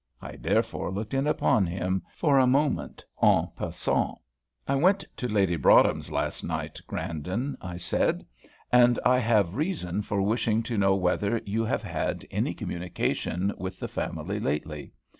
I therefore looked in upon him for a moment en passant. "I went to Lady Broadhem's last night, Grandon," I said, "and I have reasons for wishing to know whether you have had any communication with the family lately.